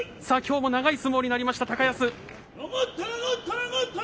さあ、きょうも長い相撲になりました、高安。